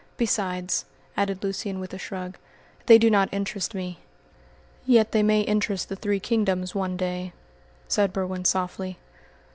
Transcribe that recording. Besides," added Lucian, with a shrug, "they do not interest me." "Yet they may interest the three kingdoms one day," said Berwin softly.